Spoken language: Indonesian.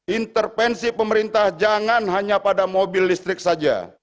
intervensi pemerintah jangan hanya pada mobil listrik saja